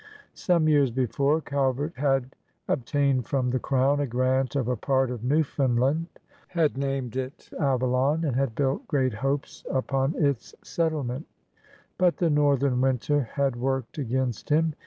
Some years before, Calvert had obtained from the Crown a grant of a part of Newfoundland, had named it Avaloi;!, and had built great hopes up 116 MARYLAND 117 on its. settlement. But the northern winter had worked against him.